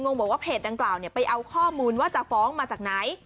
งบอกว่าเพจดังกล่าวไปเอาข้อมูลว่าจะฟ้องมาจากไหน